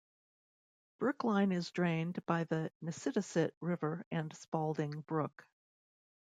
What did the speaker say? Brookline is drained by the Nissitissit River and Spaulding Brook.